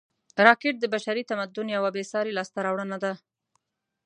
راکټ د بشري تمدن یوه بېساري لاسته راوړنه ده